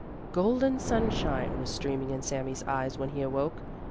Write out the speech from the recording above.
Golden sunshine was streaming in Sami's eyes when he awoke.